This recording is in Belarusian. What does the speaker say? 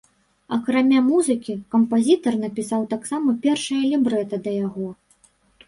Акрамя музыкі, кампазітар напісаў таксама першае лібрэта да яго.